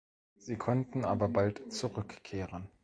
Sie konnten aber bald zurückkehren.